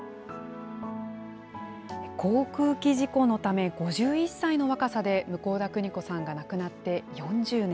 航空機事故のため、５１歳の若さで向田邦子さんが亡くなって４０年。